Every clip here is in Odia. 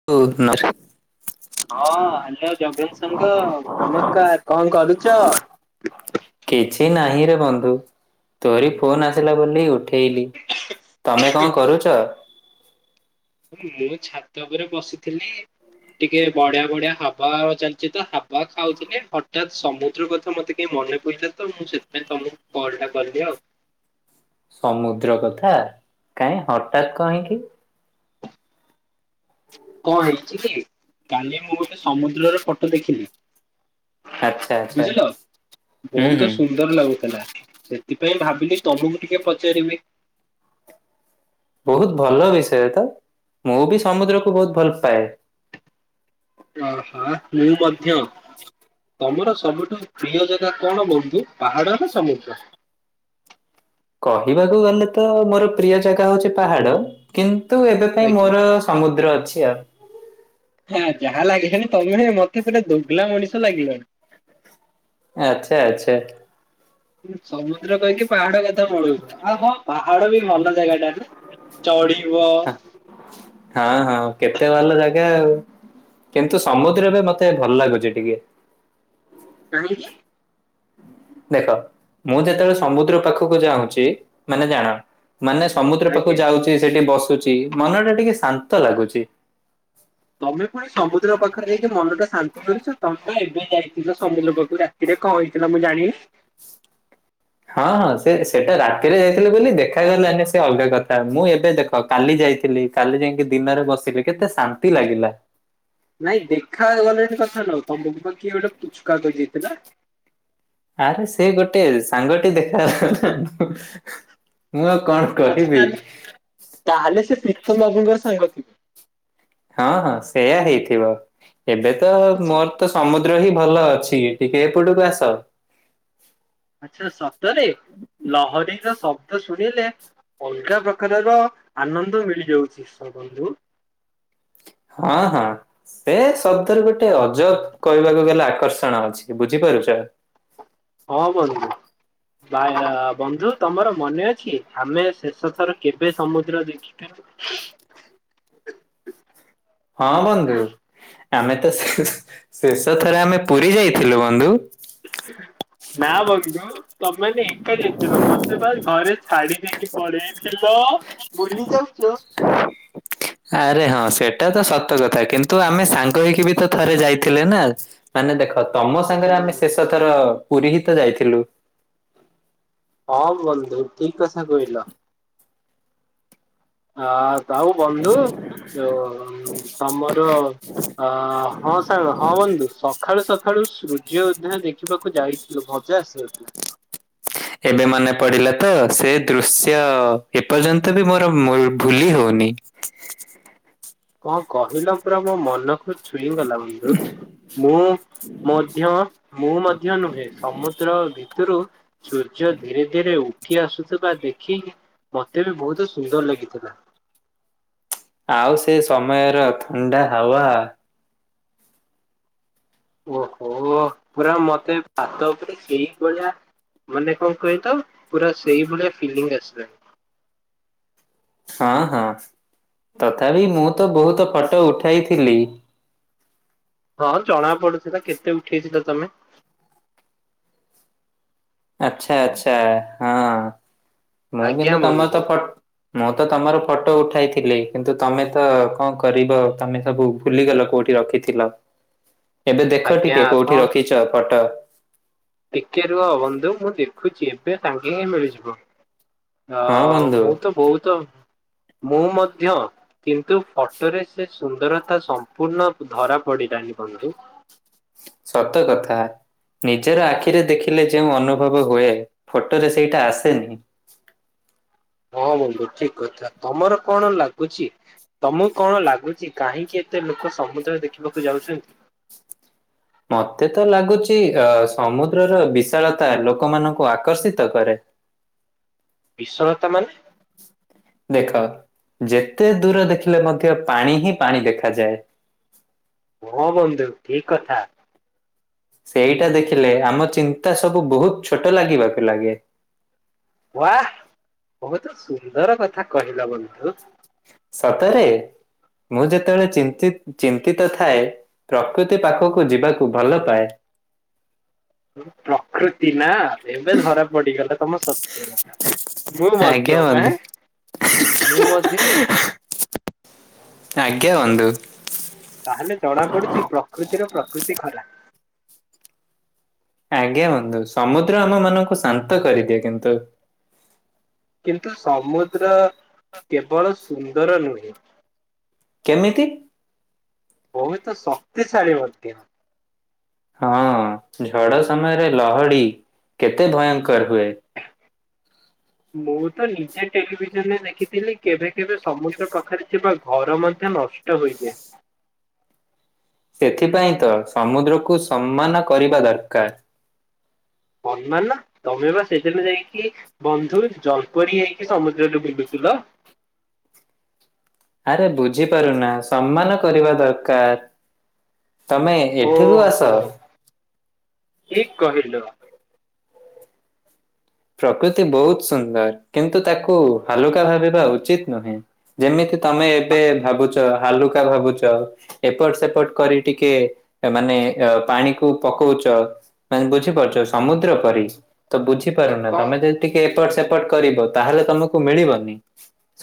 [unintelligible] ହଁ ହ୍ୟାଲୋ ଜଗନ ସଙ୍ଗ ନମସ୍କାର କଣ କରୁଛ? କିଛି ନାହିଁରେ ବନ୍ଧୁ ତୋରି ଫୋନ ଆସିଲା ବୋଲି ଉଠ ଉଠେଇଲି ତମେ କଣ କରୁଛ? ମୁଁ ଛାତ ଉପରେ ବସିଥିଲି। ଟିକେ ବଢିଆ ବଢିଆ ହାବା ଚାଲିଛି ତ ହାବା ଖାଉଥିଲେ ହଠାତ୍ ସମୁଦ୍ର କଥା ମତେ ଟିକେ ମନେ ପଇଲା ତ ମୁଁ ସେଥିପାଇଁ ତମକୁ କଲଟା କଲି ଆଉ। ସମୁଦ୍ର କଥା କାଇଁ ହଠାତ୍ କାହିଁକି? କଣ ହେଇଛି କି କାଲି ମୁଁ ଗୋଟେ ସମୁଦ୍ରର ଫଟୋ ଦେଖିଲି। ଆଚ୍ଛା ଆଚ୍ଛା ବୁଝିଲ ହୁଁ ହୁଁ ବହୁତ ସୁନ୍ଦର ଲାଗୁଥିଲା। ସେଥିପାଇଁ ଭାବିଲି ତମକୁ ଟିକେ ପଚାରିବି। ବହୁତ ଭଲ ବିଷୟ ତ ମୁଁ ବି ସମୁଦ୍ରକୁୁ ବହୁତ ଭଲ ପାଏ। ଓହୋ ମୁଁ ମଧ୍ୟ। ତମର ସବୁଠୁ ପ୍ରିୟ ଜାଗା କଣ ବନ୍ଧୁ ପାହାଡ ନା ସମୁଦ୍ର? କହିବାକୁ ଗଲେ ତ ମୋର ପ୍ରିୟ ଜାଗା ହଉଛି ପାହାଡ କିନ୍ତୁ ଏବେ ପାଇଁ ଆଜ୍ଞା। ମୋର ସମୁଦ୍ର ଅଛି ଆଉ। ହଁ ଯାହା ଲାଗିଲାଣି ତମେ ହ ମତେ ଗୋଟେ ଦୁଗଲା ମଣିଷ ଲାଗିଲଣି। ଆଚ୍ଛା ଆଚ୍ଛା ସମୁଦ୍ର କହିକି ପାହାଡ କଥା [inaudible] ଆ ହଁ ପାହାଡ ବି ଭଲ ଜାଗା। [inaudible] ଚଢିବ ହଁ ହଁ କେତେ ଭଲ ଜାଗା ଆଉ। କିନ୍ତୁ ସମୁଦ୍ର ବି ମତେ ଭଲ ଲାଗୁଛି ଟିକେ? କାହିଁକି? ଦେଖ ମୁଁ ଯେତେବେଳେ ସମୁଦ୍ର ପାଖକୁ ଯାଉଛି ମାନେ ଜାଣ ମାନେ ସମୁଦ୍ର ପାଖକୁ ଆଜ୍ଞା। ଯାଉଛି ସେଠି ବସୁଛି ମନଟା ଟିକେ ଶାନ୍ତ ଲାଗୁଛି। ତମେ ପୁଣି ସମୁଦ୍ର ପାଖରେ ଯାଇକି ମନଟା ଶାନ୍ତି କରିଛ ତମେ? ଏବେ ଯାଇଥିଲ ସମୁଦ୍ର ଲୋକକୁ ରାତିରେ କଣ ହେଇଥିଲା ମୁଁ ଜାଣିନି। ହଁ ହଁ ସେ ସେଟା ରାତିରେ ଯାଇଥିଲେ ବୋଲି ଦେଖାଗଲାନି ସେ ଅଲଗା କଥା ମୁଁ ଏବେ ଦେଖ କାଲି ଯାଇଥିଲି। କାଲି ଯାଇକି ଦିନରେ ବସିଲି କେତେ ଶାନ୍ତି ଲାଗିଲା। ନାଇଁ ଦେଖା ଗଲାନି କଥା ନୁହଁ। ତମକୁ ପା କିଏ ଗୋଟେ ପୁଚୁକା କରି ଯାଇଥିଲା। ଆରେ ସେ ଗୋଟେ ସାଙ୍ଗଟି ଦେଖା [unintelligible] ମୁଁ ଆଉ କଣ ଆଚ୍ଛା କହିବି? ତାହେଲେ ତାହେଲେ ସେ ପ୍ରୀତମ ବାବୁଙ୍କର ସାଙ୍ଗ ଥିବେ। ହଁ ହଁ ସେଇୟା ହେଇଥିବ ଏବେ ତ ମୋର ତ ସମୁଦ୍ର ହିଁ ଭଲ ଅଛି।। ଟିକେ ଏପଟକୁ ଆସ। ଆଚ୍ଛା ସତରେ ଲହରୀର ଶବ୍ଦ ଶୁଣିଲେ ଅଲଗା ପ୍ରକାରର ଆନନ୍ଦ ମିଳିଯାଉଛି ସ ବନ୍ଧୁ। ହଁ ହଁ। ସେ ଶବ୍ଦରେ ଗୋଟେ ଅଜବ କହିବାକୁ ଗଲେ ଆକର୍ଷଣ ଅଛି ବୁଝିପାରୁଛ? ହଁ ବନ୍ଧୁ। ବା ବନ୍ଧୁ ତମର ମନେ ଅଛି ଆମେ ଶେଷ ଥର କେବେ ସମୁଦ୍ର ଦେଖି [inaudible] ହଁ ବନ୍ଧୁ ଆମେ ତ ଶେଷ ଥରେ ଆମେ ପୁରୀ ଯାଇଥିଲୁ ବନ୍ଧୁ। [inaudible] ନା ବନ୍ଧୁ। ତମ ମାନେ ଏକା ଯାଇଥିଲ ମତେ ବା ଘରେ ଛାଡି ଦେଇକି ପଳେଇଥିଲ। ଭୁଲି ଜାଉଛ। ଆରେ ହଁ ସେଇଟା ତ ସତ କଥା କିନ୍ତୁ ଆମେ ସାଙ୍ଗ ହେଇକି ବି ତ ଥରେ ଯାଇଥିଲେ ନା? ମାନେ ଦେଖ ତମ ସାଙ୍ଗରେ ଆମେ ଶେଷଥର ପୁରୀ ହିତ ଯାଇଥିଲୁ। ହଁ ବନ୍ଧୁ ଠିକ କଥା କହିଲ। ଆ ଆଉ ତାଉ ବନ୍ଧୁ ଉ ତମର ଅ ହଁ ସାଙ୍ଗ, ହଁ ବନ୍ଧୁ, ସକାଳୁ ସକାଳୁ ସୂର୍ଯ୍ୟ ଉଦୟ ଦେଖିବାକୁ ଯାଇଛି। ନ୍ତୁ ମଜା ଆସି ନଥିଲା। ଏବେ ମନେ ପଡିଲା ତ, ସେ ଦୃଶ୍ୟ ଏପର୍ଯ୍ୟନ୍ତ ବି ମୋର ମ ଭୁଲି ହଉନି। କଣ କହିଲ ପୁରା ମୋ ମନକୁୁ ଛୁଇଁଗଲା ବନ୍ଧୁ। ମୁଁ ମଧ୍ୟ, ମୁଁ ମଧ୍ୟ ନୁହେଁ, ସମୁଦ୍ର ରୁ ସୂର୍ଯ୍ୟ ଧୀରେ ଧୀରେ ଉଠି ଆସୁଥିବା ଦେଖି ମତେ ବି ବହୁତ ସୁନ୍ଦର ଲାଗିଥିଲା। ଆଉ ସେ ସମୟର ଥଣ୍ଡା ହାୱା ଓହୋ ପୁରା ମତେ ଭାତ ଉପରେ ସେଇଭଳିଆ ମାନେ କଣ କହିଲେ ପୁରା ସେଇ ଭଳିଆ ଫିଲିଙ୍ଗ ଆସିଲା। ହଁ ହଁ, ତଥାପି ମୁଁ ତ ବହୁତ ଫଟୋ ଉଠାଇଥିଲି। ହଁ ଜଣା ପଡୁଥିଲା, କେତେ ଉଠେଇଥିଲା ତମେ? ଆଚ୍ଛା, ଆଚ୍ଛା, ହଁ ମୁଁ ଆଜ୍ଞା କିନ୍ତୁ ତମର ବନ୍ଧୁ ତ ପ ମୁଁ ତ ତମର ଫଟୋ ଉଠାଇଥିଲି କିନ୍ତୁ ତମେ ତ କଣ କରିବ, ତମେ ସବୁ ଭୁଲିଗଲ କୋଉଠି ରଖିଥିଲ? ଏବେ ଦେଖ ଆଜ୍ଞା ଟିକେ କୋଉଠି କଣ ରଖିଛ ଫଟୋ ଟିକେ ରୁହ ବନ୍ଧୁ, ମୁଁ ଦେଖୁଛି, ଏବେ ସାଙ୍ଗେ ହିଁ ମିଳିଯିବ। ଅ ହଁ ବନ୍ଧୁ ମୁଁ ତ ବହୁତ, ମୁଁ ମଧ୍ୟ କିନ୍ତୁ ଫଟୋରେ ସେ ସୁନ୍ଦରତା ସମ୍ପୂର୍ଣ୍ଣ ଧରା ପଡିଲାଣିି ବନ୍ଧୁ। ସତ କଥା। ନିଜର ଆଖିରେ ଦେଖିଲେ ଯେଉଁ ଅନୁଭବ ହୁଏ, ଫଟୋ ରେ ସେଇଟା ଆସେନି। ହଁ ବନ୍ଧୁ ଠିକ କଥା, ତମର କଣ ଲାଗୁଛି? ତମକୁ କଣ ଲାଗୁଛି କାହିଁକି ଏତେ ଲୋକ ସମୁଦ୍ର ଦେଖିବାକୁ ଯାଉଛନ୍ତି? ମତେ ତ ଲାଗୁଚ ଅ ସମୁଦ୍ରର ବିଶାଳତା ଲୋକମାନଙ୍କୁ ଆକର୍ଷିତ କରେ। ବିଶଳତା ମାନେ ଦେଖ ଯେତେ ଦୂର ଦେଖିଲେ ମଧ୍ୟ ପାଣି ହିଁ ପାଣି ଦେଖାଯାଏ। ହଁ ବନ୍ଧୁ ଠିକ କଥା। ସେଇଟା ଦେଖିଲେ ଆମ ଚିନ୍ତା ସବୁ ବହୁତ ଛୋଟ ଲାଗିବାକୁ ଲାଗେ। ୱା ବହୁତ ସୁନ୍ଦର କଥା କହିଲ ବନ୍ଧୁ। ସତରେ ମୁଁ ଯେତେବେଳେ ଚିନ୍ତିତ ଚିନ୍ତିତ ଥାଏ ପ୍ରକୃତି ପାଖକୁ ଯିବାକୁ ଭଲ ପାଏ। ପ୍ରକୃତି ନା, ଏବେ ଧରା ପଡିଗଲା ତମ ସତ ମୁଁ ମଧ୍ୟ ଆଜ୍ଞା ଆ, ବନ୍ଧୁ ମୁଁ ମଧ୍ୟ ଆଜ୍ଞା ବନ୍ଧୁ। ତାହେଲେ ଜଣା ପଡୁଛି ପ୍ରକୃତିର ପ୍ରକୃତି ଖରାପ। ଆଜ୍ଞା ବନ୍ଧୁ, ସମୁଦ୍ର ଆମ ମାନଙ୍କୁ ଶାନ୍ତ କରିବେ କିନ୍ତୁ କିନ୍ତୁ ସମୁଦ୍ର କେବଳ ସୁନ୍ଦର ନୁହେଁ? କେମିତି? ବହୁତ ଶକ୍ତିଶାଳୀ ମଧ୍ୟ। ହଁ ଝଡ଼ ସମୟରେ ଲହଡ଼ି, କେତେ ଭୟଙ୍କର ହୁଏ। ମୁଁ ତ ନିଜେ ଟେଲିଭିଜନରେ ଦେଖିଥିଲି କେବେ କେବେ ସମୁଦ୍ର ପାଖରେ ଥିବା ଘର ମଧ୍ୟ ନଷ୍ ଷ୍ଟ ହୋଇଯାଏ। ସେଥିପାଇଁ ତ ସମୁଦ୍ରକୁୁ ସମ୍ମାନ କରିବା ଦରକାର। ନର୍ମାଲ ନା ତମେ ବା ସେଦିନ ଯାଇକି ବନ୍ଧୁ ଜଲପରି ହେଇକି ସମୁଦ୍ରରେ ବୁଲୁଥିଲ। ଆରେ ବୁଝିପାରୁନା ସମ୍ମାନ କରିବା ଦରକାର। ତମେ ଏଠିକୁ ଆସ। ଓହୋ ଠିକ କହିଲ। ପ୍ରକୃତି ବହୁତ ସୁନ୍ଦର କିନ୍ତୁ ତାକୁ ହାଲୁକା ଭାବିବା ଉଚିତ ନୁହେଁ, ଯେମିତି ତମେ ଆ ଏବେ ଭାବୁଛ, ହାଲୁକା ଭାବୁଛ। ଏପଟ ସେପଟ କରି ଟିକେ ମାନେ ଅ ପାଣିକୁ ପକଉଛ। ମାନେ ବୁଝିପାରୁଛ ସମୁଦ୍ର ପରି, ତ ବୁଝି ବୁଝି ପାରୁନ, କଣ ତମେ ଯଦି ଟିକେ ଏପଟ ସେପଟ କରିବ ତାହେଲେ ତମକୁ ମିଳିବନି।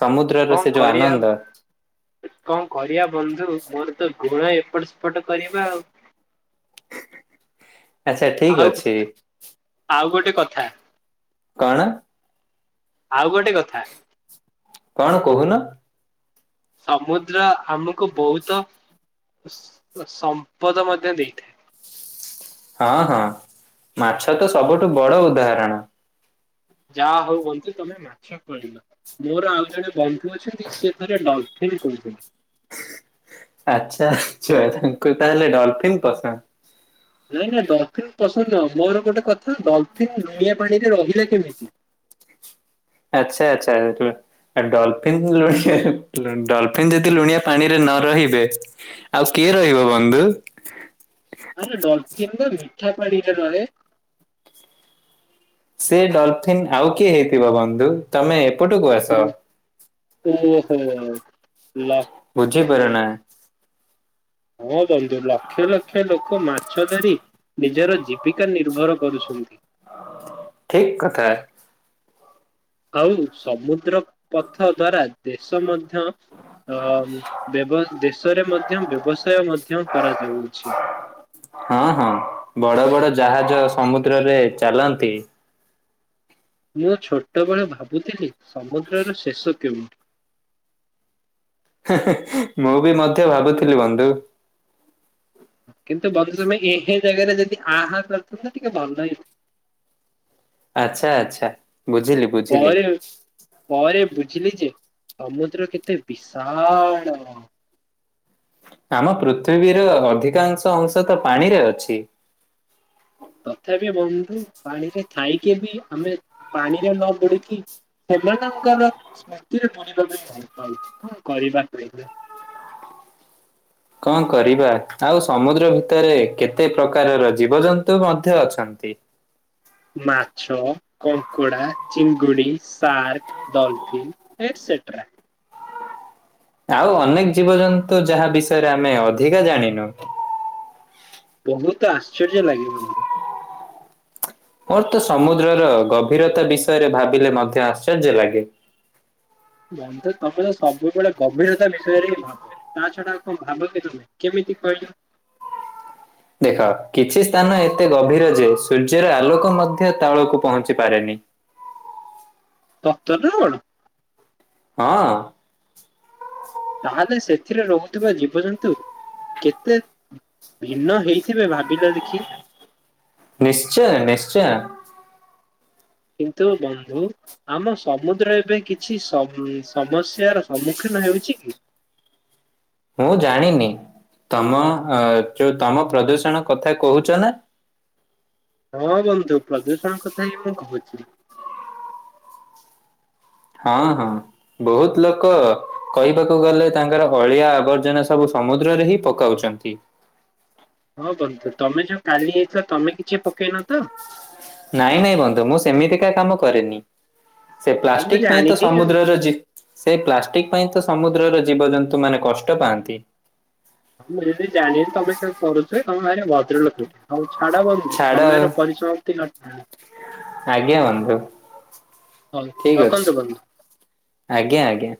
ସମୁଦ୍ରର ସେ କଣ ଯୋଉ କରିବା? ଆନନ୍ଦ କଣ କରିବା ବନ୍ଧୁ ମୋର ତ ଗୁଣ ଏପଟ ସେପଟ କରିବା ଆଉ। ଆଚ୍ଛା ଠିକ ଆଉ ଅଛି ଆଉ ଗୋଟେ କଥା। କଣ? ଆଉ ଗୋଟେ କଥା। କଣ କହୁନ? ସମୁଦ୍ର ଆମକୁ ବହୁତ ସସ ସମ୍ପଦ ମଧ୍ୟ ଦେଇଥାଏ। ହଁ ହଁ, ମାଛ ତ ସବୁଠୁ ବଡ ଉଦାହରଣ। ଯା ହଉ ବନ୍ଧୁ ତମେ ମା ଛ କଇଲ। ମୋର ଆଉ ଜଣେ ବନ୍ଧୁ ଅଛନ୍ତି ସେ ଥରେ ଡ଼ଲଫିନ [unintelligible] ଆଛା ଆଛୁ ଆ ତାଙ୍କୁ ତାହେଲେ ଡଲଫିନ୍ ପସନ୍ଦ? ନାଇଁ ନା ଡଲଫିନ ପସନ୍ଦ ନୁହଁ, ମୋର ଗୋଟେ କଥା ଡଲଫିିନ ଲୁଣିଆ ପାଣିରେ ରହିଲା କେମିତି? ଆଚ୍ଛା ଆଚ୍ଛା। ଆ ଡଲଫିନ୍ ଲ ଡଲଫିିନ ଯଦି ଲୁଣିଆ ପାଣିରେ ନ ରହିବେ ଆଉ କିଏ ରହିବ ବନ୍ଧୁ। ଆରେ ଡଲଫିନ ତ ମିଠା ପାଣିରେ ରହେ। ସେ ଡଲଫିନ୍ ଆଉ କିଏ ହେଇଥିବ ବନ୍ଧୁ ତମେ ଏପଟକୁ ଓ ଆସ। ଓହୋ ଲ ବୁଝିପାର ନା। ହଁ ବନ୍ଧୁ ଲକ୍ଷ ଲକ୍ଷ ଲୋକ ମାଛ ଧରି ନିଜର ଜୀବିକା ନିର୍ଭର କରୁଛନ୍ତି। ଠିକ କଥା। ଆଉ ସମୁଦ୍ର ପଥ ଦ୍ଵାରା ଦେଶ ମ ଧ୍ୟ ଅ ବ୍ୟବ ଦେଶରେ ମଧ୍ୟ ବ୍ୟବସାୟ ମଧ୍ୟ କରାଯାଉଛି। ହଁ ହଁ ବଡ ବଡ ଜାହାଜ ସମୁଦ୍ରରେ ଚାଲନ୍ତି। ମୁଁ ଛୋଟବେଳ ଭାବୁଥିଲି ସମୁଦ୍ରର ଶେଷ କେଉଁଠି? ହେ ହେ, ମୁଁ ବି ମଧ୍ୟ ଭାବୁଥିଲି ବନ୍ଧୁ। କିନ୍ତୁ ବନ୍ଧୁ ତମେ ଏହେଁ ଜାଗାରେ ଯଦି ଆହା କରିଥାନ୍ତ ଟିକେ ଭଲ ହେଇଥାନ୍ତା। ଆଚ୍ଛା ଆଚ୍ଛା ବୁଝିଲି। ବୁଝିଲି। ପରେ ପରେ ବୁଝିଲି ଯେ ସମୁଦ୍ର କେତେ ବିଶାଳ। ଆମ ପୃଥିବୀର ଅଧିକାଂଶ ଅଂଶ ତ ପାଣିରେ ଅଛି। ତଥାପି ବନ୍ଧୁ ପାଣିରେ ଥାଇକି ବି ଆମେ ପାଣିରେ ନ ବୁଡିକି ସେମାନଙ୍କର ସ୍ମୃତିରେ ବୁଣିବା ପାଇଁ ଭଲ ପାଉଛି କଣ କରିବା କହିଲ? କଣ କରିବା ଆଉ ସମୁଦ୍ର ଭିତରେ କେତେ ପ୍ରକାରର ଜୀବଜନ୍ତୁ ମଧ୍ୟ ଅଛନ୍ତି। ମାଛ, କଙ୍କଡ଼ା, ଚିଙ୍ଗୁଡି, ସାର୍କ, ଡଲଫିନ୍। ଏସେଟ୍ରା। ଆଉ ଅନେକ ଜୀବଜନ୍ତୁ ଯାହା ବିଷୟରେ ଆମେ ଅଧିକା ଜାଣିନୁ। ବହୁତ ଆଶ୍ଚର୍ଯ୍ୟ ଲାଗେ ବନ୍ଧୁ। ମୋର ତ ସମୁଦ୍ରର ଗଭୀରତା ବିଷୟରେ ଭାବିଲେ ମଧ୍ୟ ଆଶ୍ଚର୍ଯ୍ୟ ଲାଗେ। ବନ୍ଧୁ ତମେ ତ ସବୁବେଳେ ଗଭୀରତା ବିଷୟରେ ହିଁ ଭାବ। ତା ଛଡା ଆଉ କଣ ଭାବ କି ତମେ, କେମିତି କହିଲ? ଦେଖ କିଛି ସ୍ଥାନ ଏତେ ଗଭୀର ଯେ ସୂର୍ଯ୍ୟର ଆଲୋକ ମଧ୍ୟ ତଳକୁ ପହଞ୍ଚି ପାରେନି। ସତ ନା କଣ? ହଁ। ତାହେଲେ ସେଥିରେ ରହୁଥିବା ଜୀବଜନ୍ତୁ କେତେ ଭିନ୍ନ ହେଇଥିବେ ଭାବିଲ ଦେଖି। ନିଶ୍ଚୟ ନିଶ୍ଚୟ। କିନ୍ତୁ ବନ୍ଧୁ ଆମ ସମୁଦ୍ର ଏବେ କିଛି ସମ ସମସ୍ୟାର ସମ୍ମୁଖୀନ ହେଉଛି କି? ମୁଁ ଜାଣିନି, ତମ ଯୋଉ ତମ ପ୍ରଦୂଷଣ କଥା କହୁଛ ନା। ହଁ ବନ୍ଧୁ ପ୍ରଦୂଷଣ କଥା ହିଁ ମୁଁ କହୁଛି। ହଁ ହଁ। ବହୁତ ଲୋକ କହିବାକୁ ଗଲେ ତାଙ୍କର ଅଳିଆ ଆବର୍ଜନା ସବୁ ସମୁଦ୍ରରେ ହିଁ ପକାଉଛନ୍ତି। ହଁ ବନ୍ଧୁ ତମେ ଯୋଉ କାଲି ଆଇଥିଲ ତମେ କିଛି ପକେଇନ ତ? ନାଇଁ ନାଇଁ ବନ୍ଧୁ ମୁଁ ସେମିତିକା କାମ କରେନି, ସେ ହଁ ମୁଁ ପ୍ଲାଷ୍ଟିକ ପାଇଁ ତ ଜାଣିନି ଆଉ। ହଁ, ସମୁଦ୍ରର ସେଇ ପ୍ଲାଷ୍ଟିକ ପାଇଁ ତ ସମୁଦ୍ରର ଜୀବଜନ୍ତୁ ମାନେ କଷ୍ଟ ପାଆନ୍ତି। ଆ ମୁଁ ଯଦି ଜାଣିନି ତମେ କେ କରୁଚ ତମ ଆଡେ ଭଦ୍ର ଲୋକ ହଉ ଛାଡ ବନ୍ଧୁ ଛାଡ ସମୟର ପରିସମାପ୍ତି ଘ ଆଜ୍ଞା ବନ୍ଧୁ। ହଉ ଠିକ ଅଛି ରଖନ୍ତୁ ବନ୍ଧୁ। ଆଜ୍ଞା ଆଜ୍ଞା।